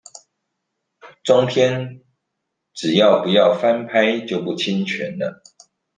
中天只要不要翻拍就不侵權了